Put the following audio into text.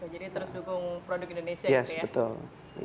jadi terus dukung produk indonesia gitu ya